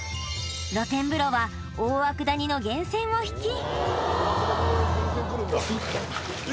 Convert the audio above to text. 露天風呂は大涌谷の源泉をひき